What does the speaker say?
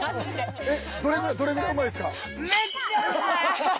えっどれぐらいうまいですか？